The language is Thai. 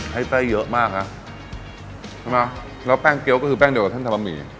ให้ไส้เยอะมากนะใช่ไหมแล้วแป้งเกี้ยวก็คือแป้งเดียวกับท่านทำบะหมี่